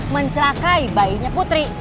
mencelakai bayinya putri